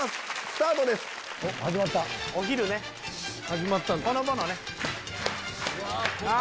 スタートです！